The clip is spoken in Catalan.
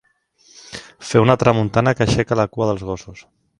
Fer una tramuntana que aixeca la cua dels gossos.